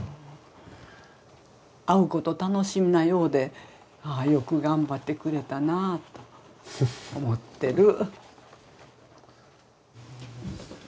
会うこと楽しみなようでああよく頑張ってくれたなあと思ってる。